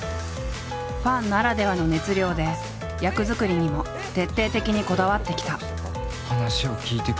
ファンならではの熱量で役作りにも徹底的にこだわってきた。